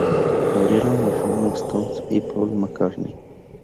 Abrieron para los Rolling Stones y Paul McCartney.